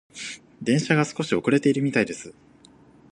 電車が少し遅れているみたいです。